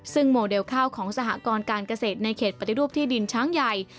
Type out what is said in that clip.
ซึ่งโมเดลข้าวของสหกรการเกษตรในเขตปฏิรูปที่ดินช้างใหญ่